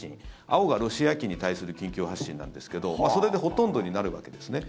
青がロシア機に対する緊急発進なんですけどそれでほとんどになるわけですね。